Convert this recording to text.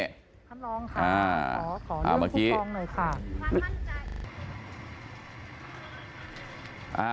คำร้องค่ะขอเรื่องผู้กองหน่อยค่ะ